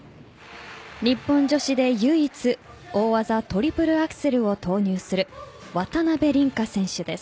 日本女子で唯一大技トリプルアクセルを投入する渡辺倫果選手です。